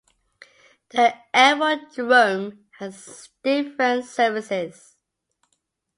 The aerodrome has different services.